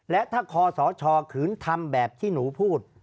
และถ้าคอสชขืนทำแบบที่หนูพูด